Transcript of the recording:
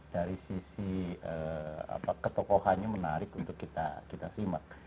dari sisi ketokohannya menarik untuk kita simak